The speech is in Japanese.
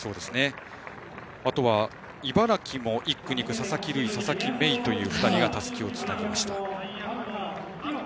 あとは茨城も１区、２区、佐々木瑠衣と佐々木芽衣という２人がたすきをつなぎました。